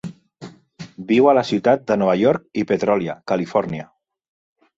Viu a la ciutat de Nova York i Petrolia, Califòrnia.